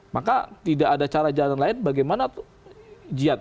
maka tidak ada cara jalan lain bagaimana jihad